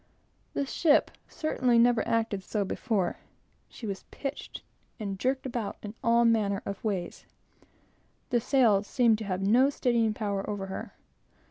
The ship certainly never acted so badly before. She was pitched and jerked about in all manner of ways; the sails seeming to have no steadying power over her.